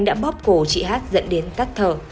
đã bóp cổ chị hát dẫn đến tắt thở